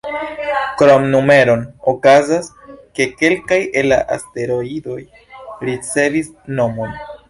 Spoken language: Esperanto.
Krom numeron, okazas, ke kelkaj el la asteroidoj ricevis nomon.